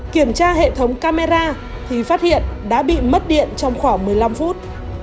kiểm tra hệ thống camera thì phát hiện đã bị mất điện trong khoảng một mươi năm phút